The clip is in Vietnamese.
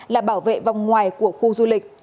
là bảo vệ vòng ngoài của khu du lịch